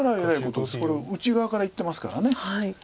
これ内側からいってますから。